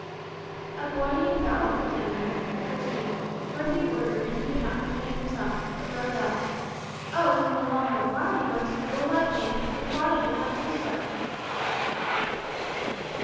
A boy named Balikudembe, a Christian, heard the order and he could not contain himself, but broke out, "Oh, King M'wanga, why are you going to kill a white man? Your father did not do so."